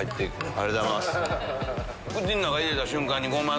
ありがとうございます。